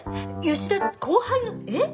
吉田後輩のえっ？